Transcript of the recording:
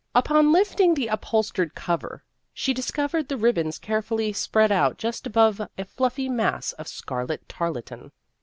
Upon lifting the upholstered cover, she discovered the ribbons carefully spread out just above a fluffy mass of scarlet tarlatan.